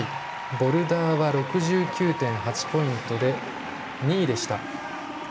ボルダーは６９．８ポイントで２位でした。